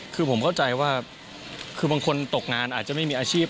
คือผมเข้าใจว่าคือบางคนตกงานอาจจะไม่มีอาชีพ